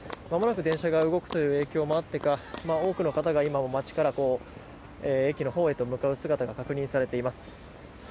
まもなく電車が動くという影響があってか多くの方が街から駅のほうへと向かう姿が確認されています。